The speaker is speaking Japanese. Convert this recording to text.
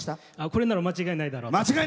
「これなら間違いないだろう」と。